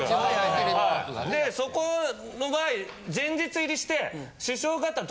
でそこの場合前日入りして。